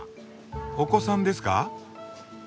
お子さんですか？